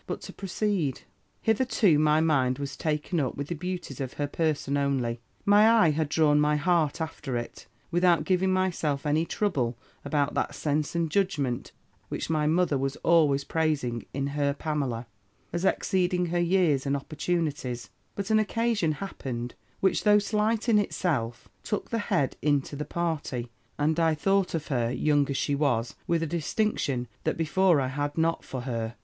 But to proceed: "Hitherto my mind was taken up with the beauties of her person only. My EYE had drawn my HEART after it, without giving myself any trouble about that sense and judgment which my mother was always praising in her Pamela, as exceeding her years and opportunities: but an occasion happened, which, though slight in itself, took the HEAD into the party, and I thought of her, young as she was, with a distinction, that before I had not for her.